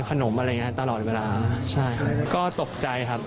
ขนมอะไรอย่างนี้ตลอดเวลาก็ตกใจครับ